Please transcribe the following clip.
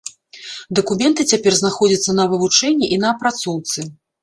Дакументы цяпер знаходзяцца на вывучэнні і на апрацоўцы.